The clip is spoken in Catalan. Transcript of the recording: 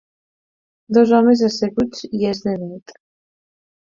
Dos homes asseguts i és de nit.